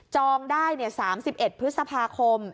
ได้๓๑พฤษภาคม